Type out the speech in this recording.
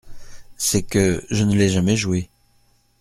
C’est que… je ne l’ai jamais joué !